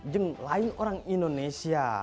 jangan orang lain indonesia